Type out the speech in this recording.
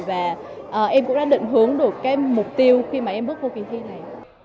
và em cũng đã định hướng được cái mục tiêu khi mà em bước vào kỳ thi này